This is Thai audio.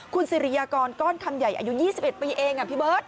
คุณสริยากรก้อนคำใหญ่อายุยี่สิบเอ็ดปีเองอ่ะพี่เบิร์ด